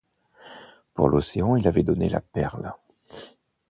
Pour l’océan, il avait donné la perle.